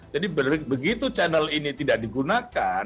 jadi begitu channel ini tidak digunakan